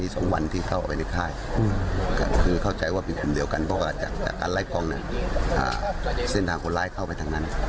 เสียงทางคนร้ายเข้าไปทางนั้น